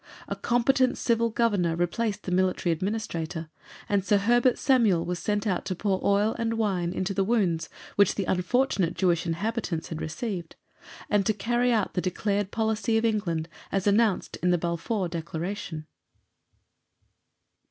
A competent civil Governor replaced the Military Administrator, and Sir Herbert Samuel was sent out to pour oil and wine into the wounds which the unfortunate Jewish inhabitants had received, and to carry out the declared policy of England as announced in the Balfour Declaration.